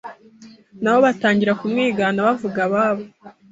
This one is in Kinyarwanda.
nabo batangira kumwigana bavuga ababo,